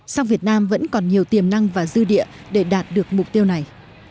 song việt nam vẫn còn nhiều tiềm năng và dư địa để đạt được mục tiêu này